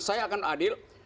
saya akan adil